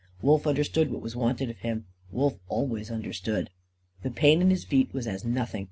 Wolf understood what was wanted of him. Wolf always understood. The pain in his feet was as nothing.